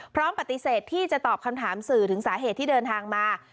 พร้อมปฏิเสธที่จะตอบคำถามสื่อถึงสาเหตุที่เดินทางมา